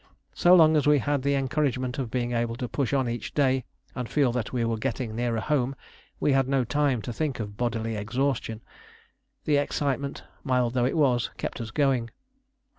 So long as we had had the encouragement of being able to push on each day, and feel that we were getting nearer home, we had no time to think of bodily exhaustion: the excitement, mild though it was, kept us going.